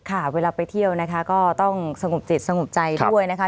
ค่ะเวลาไปเที่ยวนะคะก็ต้องสงบจิตสงบใจด้วยนะคะ